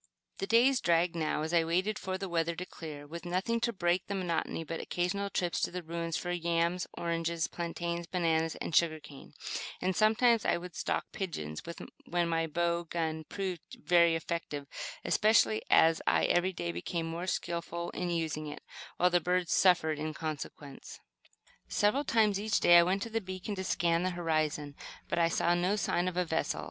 The days dragged now, as I waited for the weather to clear, with nothing to break the monotony but occasional trips to the ruins for yams, oranges, plantains, bananas and sugar cane; and sometimes I would stalk pigeons, when my bow gun proved very effective, especially as I every day became more skillful in using it, while the birds suffered in consequence. Several times each day I went to the beacon to scan the horizon; but I saw no sign of a vessel.